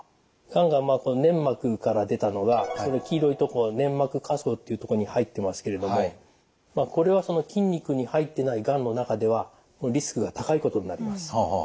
がんが粘膜から出たのがその黄色いとこ粘膜下層っていうとこに入ってますけれどもこれは筋肉に入ってないがんの中ではリスクが高いことになります。